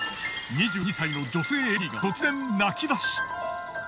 ２２歳の女性ＡＤが突然泣き出し。